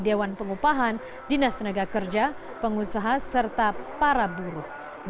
dewan pengupahan dinas senegakerja pengusaha serta para buruh